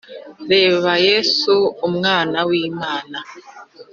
reba yesu umwana w'imana